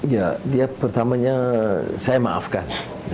ya dia pertamanya saya maafkan